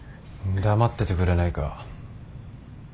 黙っててくれないか。